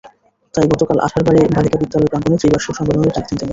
তাই গতকাল আঠারবাড়ী বালিকা বিদ্যালয় প্রাঙ্গণে ত্রিবার্ষিক সম্মেলনের ডাক দেন তিনি।